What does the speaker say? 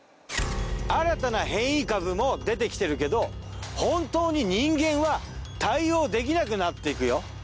新たな変異株も出てきてるけど本当に人間は対応できなくなっていくよ。